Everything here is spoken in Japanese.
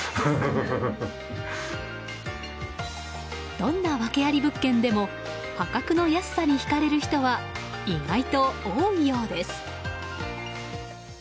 どんな訳あり物件でも破格の安さに引かれる人は意外と多いようです。